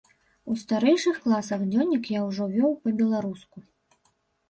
У старэйшых класах дзённік я ўжо вёў па-беларуску.